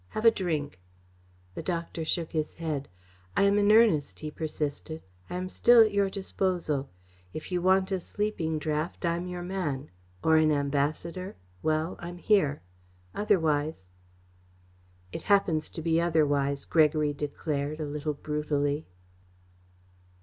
"Have a drink." The doctor shook his head. "I am in earnest," he persisted. "I am still at your disposal. If you want a sleeping draught, I'm your man, or an ambassador well, I'm here. Otherwise " "It happens to be otherwise," Gregory declared, a little brutally.